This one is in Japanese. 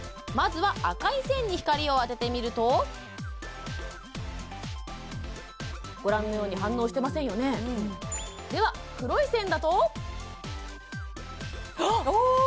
まずは赤い線に光を当ててみるとご覧のように反応してませんよねでは黒い線だとあ！